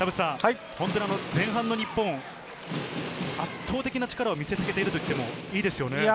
前半の日本、圧倒的な力を見せつけていると言ってもいいですよね？